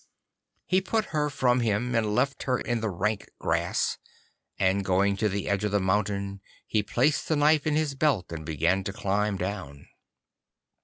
He put her from him and left her in the rank grass, and going to the edge of the mountain he placed the knife in his belt and began to climb down.